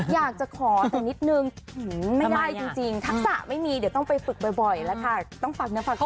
อยากจะขอแต่นิดหนึ่งหือไม่ได้จริงทักษะไม่มีเดี๋ยวต้องไปฝึกบ่อยแล้วค่ะต้องฝากเนื้อฝากตัว